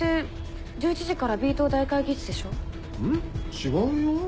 違うよ。